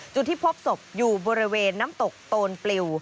จุดที่พบศพอยู่บริเวณน้ำตกโตนปลิว